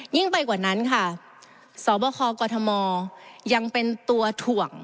ยิ่งไปกว่านั้นค่ะสบคกฎธมยังเป็นตัวถ่วง